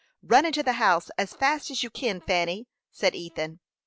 "Run into the house as fast as you kin, Fanny," said Ethan.